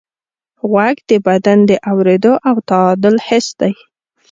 غوږ د بدن د اورېدو او تعادل حس دی.